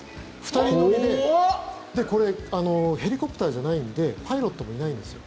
２人乗りでこれ、ヘリコプターじゃないんでパイロットもいないんですよ。